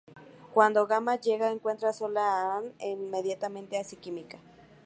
Cuando Graham llega, encuentra sola a Ann, e inmediatamente hacen química.